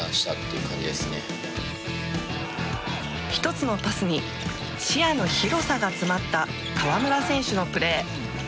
１つのパスに視野の広さが詰まった河村選手のプレー。